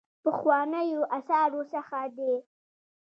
پخوانیو آثارو څخه دی.